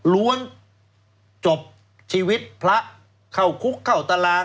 ล้วนจบชีวิตพระเข้าคุกเข้าตาราง